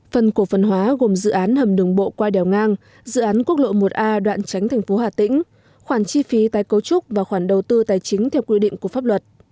phần cổ phần hóa gồm dự án hầm đường bộ qua đèo ngang dự án quốc lộ một a đoạn tránh thành phố hà tĩnh khoản chi phí tái cấu trúc và khoản đầu tư tài chính theo quy định của pháp luật